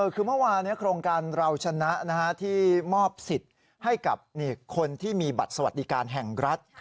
คือเมื่อวานโครงการเราชนะที่มอบสิทธิ์ให้กับคนที่มีบัตรสวัสดิการแห่งรัฐ